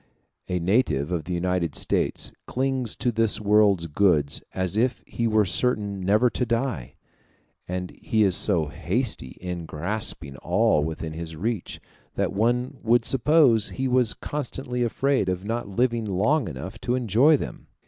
A native of the United States clings to this world's goods as if he were certain never to die; and he is so hasty in grasping at all within his reach, that one would suppose he was constantly afraid of not living long enough to enjoy them.